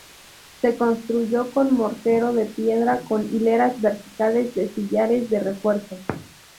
Se construyó con mortero de piedra con hileras verticales de sillares de refuerzo.